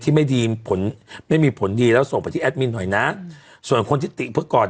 ไม่ดีผลไม่มีผลดีแล้วส่งไปที่แอดมินหน่อยนะส่วนคนที่ติเพื่อก่อน